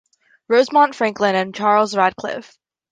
Rosemont, Franklin and Charles Radcliffe.